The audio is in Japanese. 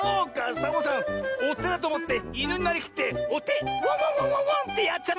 サボさん「おて」だとおもっていぬになりきって「おてワンワンワンワンワン」ってやっちゃったよ。